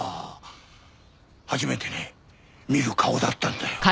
初めてね見る顔だったんだよ。